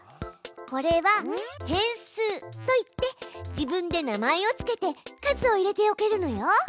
これは「変数」といって自分で名前を付けて数を入れておけるのよ。